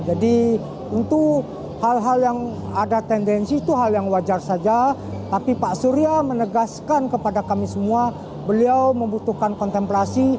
jadi untuk hal hal yang ada tendensi itu hal yang wajar saja tapi pak surya menegaskan kepada kami semua beliau membutuhkan kontemplasi